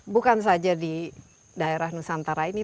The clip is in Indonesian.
bukan saja di daerah nusantara ini